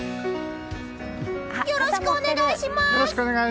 よろしくお願いします！